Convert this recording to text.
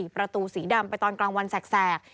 ประตูสีดำไปตอนกลางวันแสก